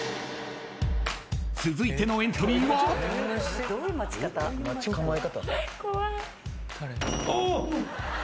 ［続いてのエントリーは］おっ！